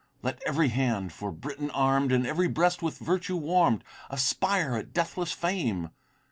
Let every hand for Britain arm'd, And every breast with virtue warm'd, Aspire at deathless fame!